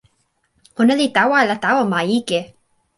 ona li tawa ala tawa ma ike?